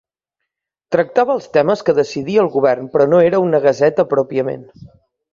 Tractava els temes que decidia el govern però no era una gaseta pròpiament.